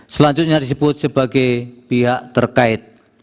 selanjutnya disebut sebagai pihak terkait